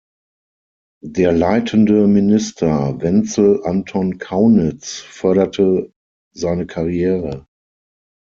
Der leitende Minister Wenzel Anton Kaunitz förderte seine Karriere.